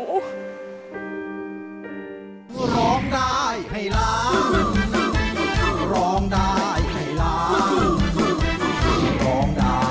พูด